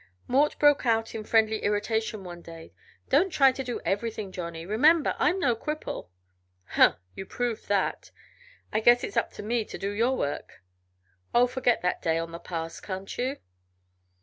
Mort broke out in friendly irritation one day: "Don't try to do everything, Johnny. Remember I'm no cripple." "Humph! You proved that. I guess it's up to me to do your work." "Oh, forget that day on the pass, can't you?"